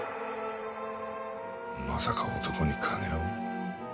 まさか男に金を？